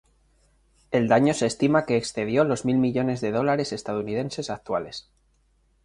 El daño se estima que excedió los mil millones de dólares estadounidenses actuales.